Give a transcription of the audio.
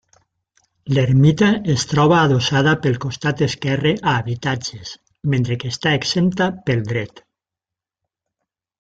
L'ermita es troba adossada pel costat esquerre a habitatges, mentre que està exempta pel dret.